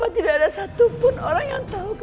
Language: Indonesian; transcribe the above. tiara kamu dimana sih nak